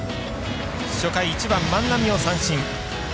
初回、１番、万波を三振。